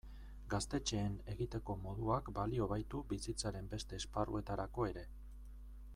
Gaztetxeen egiteko moduak balio baitu bizitzaren beste esparruetarako ere.